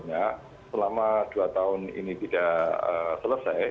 karena selama dua tahun ini tidak selesai